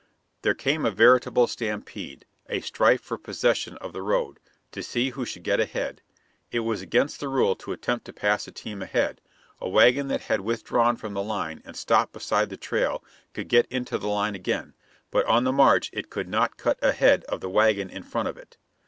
There came a veritable stampede a strife for possession of the road, to see who should get ahead. It was against the rule to attempt to pass a team ahead; a wagon that had withdrawn from the line and stopped beside the trail could get into the line again, but on the march it could not cut ahead of the wagon in front of it.